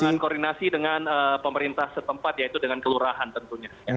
dengan koordinasi dengan pemerintah setempat yaitu dengan kelurahan tentunya